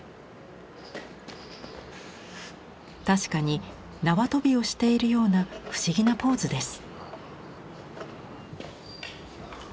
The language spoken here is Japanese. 確かに縄跳びをしているような不思議なポーズです。